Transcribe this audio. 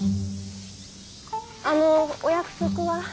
あのお約束は。